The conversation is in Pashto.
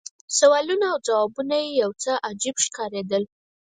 سوالونه او ځوابونه یې یو څه عجیب ښکارېدل.